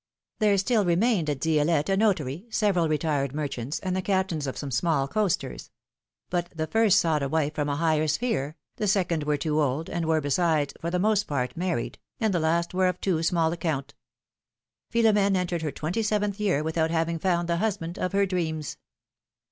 There still remained at Di^lette a notary, several retired merchants, and the captains of some small coasters ; but the first sought a wife from a higher sphere, the second were too old, and were besides — for the most part — married, and the last were of too small account. Pliilom^ne entered her twenty seventh year without having found the husband of her dreams.